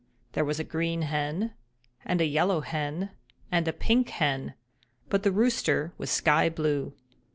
There was a Green Hen and a Yellow Hen and a Pink Hen; but the Rooster was Sky Blue.